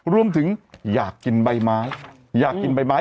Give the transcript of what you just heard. รวมถึงอยากกินใบไม้อยากกินใบไม้